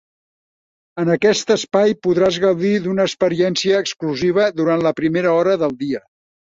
En aquest espai podràs gaudir d'una experiència exclusiva durant la primera hora del dia.